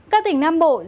các tỉnh nam bộ